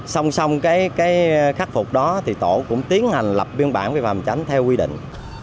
song song cái khắc phục đó thì tổ cũng tiến hành lập biên bản vi phạm tránh theo quy định